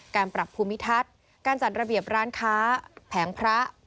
การปรับภูมิทัศน์การจัดระเบียบร้านค้าแผงพระ